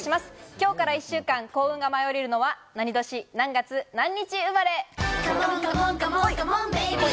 今日から１週間、幸運が舞い降りるのは、何年、何月、何日生まれ？